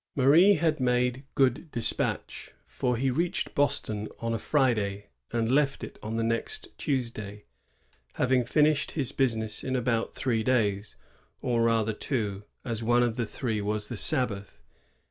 Marie had made good despatch, for he reached Boston on a Friday and left it on the next Tuesday, having finished his business in about three days, or rather two, as one of the three was *'the Sabbath.'